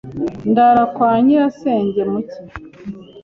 Ndara kwa nyirasenge mu cyi.